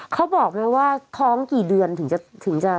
เขาบอกแล้วว่าท้องกี่เดือนถึงจะฉีดได้